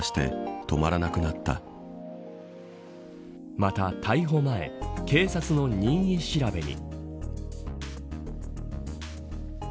また逮捕前警察の任意調べに。